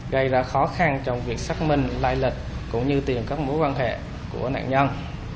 gây ra khó khăn trong việc xác minh lai lịch cũng như tiền các mối quan hệ của nạn nhân